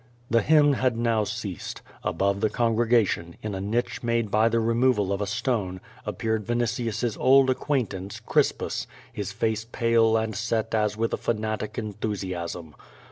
The hymn had now ceased. Above the congregation, in a niche made by the removal of a stone, appeared Vinitius's old acquaintance, Crispus, his face pale and set as with fa natic enthusiasm.